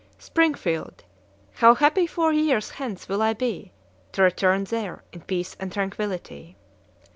"Springfield! how happy four years hence will I be, to return there in peace and tranquillity!"